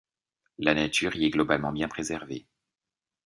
La nature y est globalement bien préservée.